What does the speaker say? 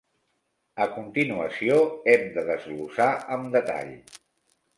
A continuació, hem de desglossar amb detall.